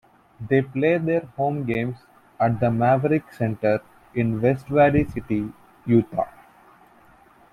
They play their home games at the Maverik Center in West Valley City, Utah.